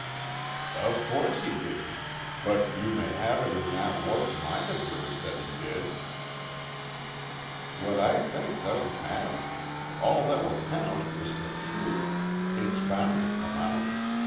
"Of course he didn't, but you may have it in that warped mind of yours that he did." "What I think doesn't matter. All that will count is the truth. It's bound to come out.